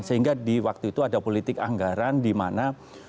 sehingga di waktu itu ada politik anggaran di mana